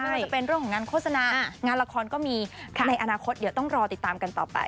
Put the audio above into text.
ว่าจะเป็นเรื่องของงานโฆษณางานละครก็มีในอนาคตเดี๋ยวต้องรอติดตามกันต่อไป